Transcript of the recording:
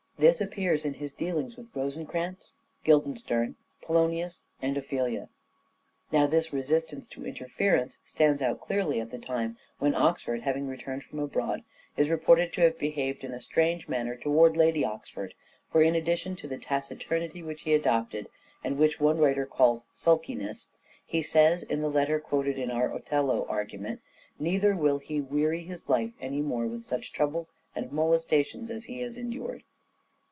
This appears in his dealings with Rosencrantz, Guildenstern, Polonius and Ophelia. Now this resistance to interference stands out clearly at the time when Oxford, having returned from abroad, is reported to have behaved in a strange manner towards Lady Oxford ; for, in addition to the taciturnity which he adopted, and which one writer calls " sulkiness," he says, in the letter quoted in our " Othello " argument, " neither will he weary his life any more with such troubles and molestations as he has endured."